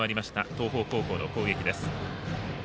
東邦高校の攻撃です。